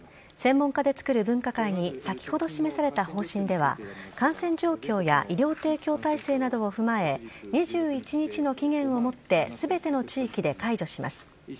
専門家でつくる分科会に先ほど示された方針では感染状況や医療提供体制などを踏まえ２１日の期限をもって全ての地域で解除します。